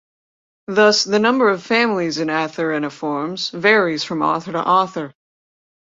Thus, the number of families in Atheriniformes varies from author to author.